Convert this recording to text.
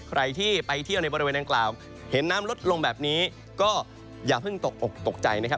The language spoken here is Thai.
ใครที่ไปเที่ยวในบริเวณดังกล่าวเห็นน้ำลดลงแบบนี้ก็อย่าเพิ่งตกอกตกใจนะครับ